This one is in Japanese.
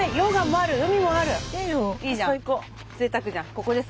ここです。